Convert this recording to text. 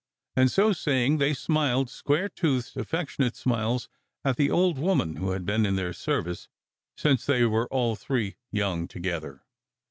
And so saying they smiled square toothed, affec tionate smiles at the old woman who had been in their ser vice since they were all three young together.